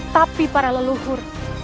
tapi para leluhur